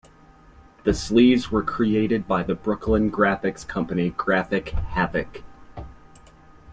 The sleeves were created by the Brooklyn graphics company Graphic Havoc.